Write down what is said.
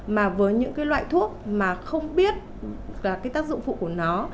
mà với những loại thuốc mà không biết tác dụng phụ của nó